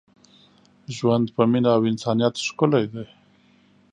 ژوند په مینه او انسانیت ښکلی دی.